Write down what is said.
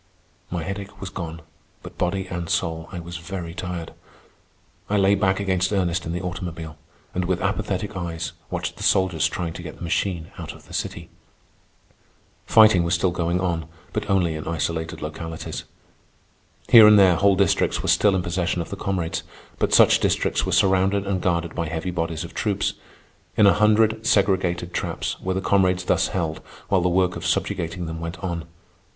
My headache was gone, but, body and soul, I was very tired. I lay back against Ernest in the automobile, and with apathetic eyes watched the soldiers trying to get the machine out of the city. Fighting was still going on, but only in isolated localities. Here and there whole districts were still in possession of the comrades, but such districts were surrounded and guarded by heavy bodies of troops. In a hundred segregated traps were the comrades thus held while the work of subjugating them went on.